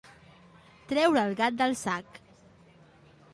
Treure el gat del sac.